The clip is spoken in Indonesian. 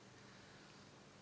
usulan diajukan oleh pemerintah